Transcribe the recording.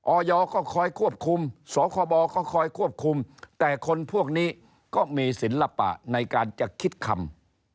อยก็คอยควบคุมสคบก็คอยควบคุมแต่คนพวกนี้ก็มีศิลปะในการจะคิดคำ